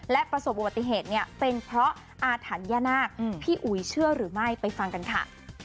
และประสบอุบัติเหตุเนี่ยเป็นเพราะอาถรรพ์ย่านาคพี่อุ๋ยเชื่อหรือไม่ไปฟังกันค่ะ